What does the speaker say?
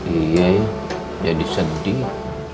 iya ya jadi sedih